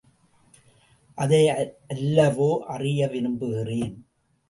அதை அல்லவோ அறிய விரும்புகிறேன்.